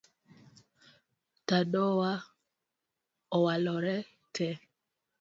Tadowa owalore tee